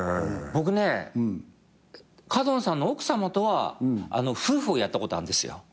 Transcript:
僕ね角野さんの奥さまとは夫婦をやったことあるんですよ。